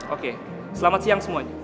oke selamat siang semuanya